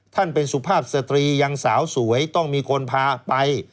ท่านเป็นสุภาพสตรียังสาวสวยต้องมีคนพาไป